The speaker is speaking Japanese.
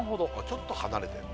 ちょっと離れてるね